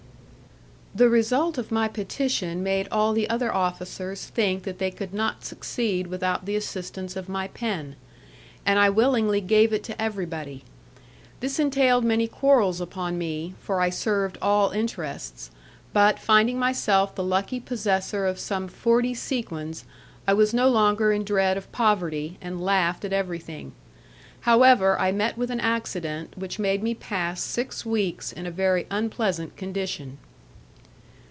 The result of my petition made all the other officers think that they could not succeed without the assistance of my pen, and I willingly gave it to everybody; this entailed many quarrels upon me, for I served all interests, but, finding myself the lucky possessor of some forty sequins, I was no longer in dread of poverty, and laughed at everything. However, I met with an accident which made me pass six weeks in a very unpleasant condition.